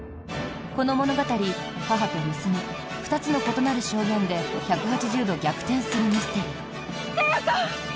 この物語母と娘、２つの異なる証言で１８０度逆転するミステリー。